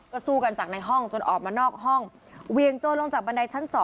ก็สู้กันจากในห้องจนออกมานอกห้องเวียงโจรลงจากบันไดชั้น๒